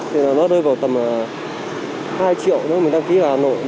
thì là nó đôi vào tầm hai triệu nếu mình đăng ký hà nội